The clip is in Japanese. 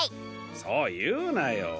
そういうなよ。